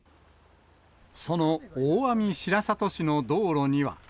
その大網白里市の道路には。